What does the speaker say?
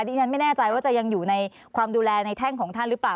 ดิฉันไม่แน่ใจว่าจะยังอยู่ในความดูแลในแท่งของท่านหรือเปล่า